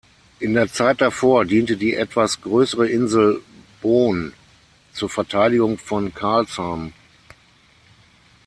In der Zeit davor diente die etwas größere Insel Boon zur Verteidigung von Karlshamn.